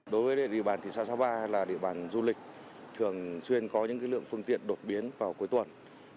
đối với địa bàn thị xã sapa là địa bàn du lịch thường xuyên có những lượng phương tiện đột biến vào cuối tuần